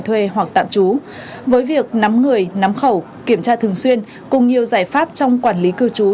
thuê hoặc tạm trú với việc nắm người nắm khẩu kiểm tra thường xuyên cùng nhiều giải pháp trong quản lý cư trú